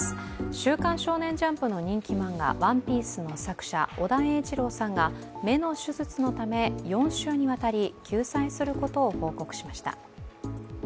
「週刊少年ジャンプ」の人気漫画「ＯＮＥＰＩＥＣＥ」の作者尾田栄一郎さんが目の手術のため４週にわたり休載することを報告しました。